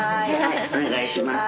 お願いします。